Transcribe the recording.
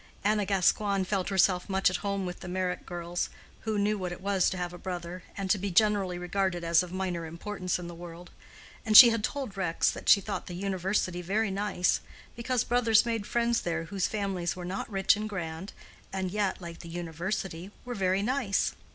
Anna Gascoigne felt herself much at home with the Meyrick girls, who knew what it was to have a brother, and to be generally regarded as of minor importance in the world; and she had told Rex that she thought the University very nice, because brothers made friends there whose families were not rich and grand, and yet (like the University) were very nice.